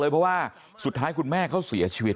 เพราะว่าสุดท้ายคุณแม่เขาเสียชีวิต